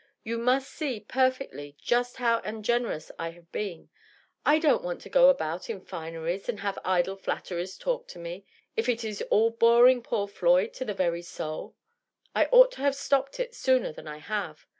You must see perfectly just how ungenerous I have been. I don't want to go about in fineries and have idle flatteries talked to me, if it is all boring poor Floyd to the very soul. I ought to have stopped it sooner than I have.